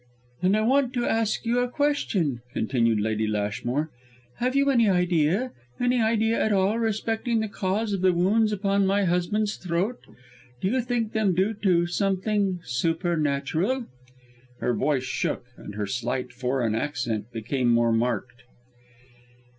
"And I want to ask you a question," continued Lady Lashmore. "Have you any idea, any idea at all respecting the cause of the wounds upon my husband's throat? Do you think them due to something supernatural?" Her voice shook, and her slight foreign accent became more marked.